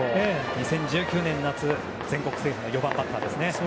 ２０１９年の夏に全国制覇、４番バッターですね。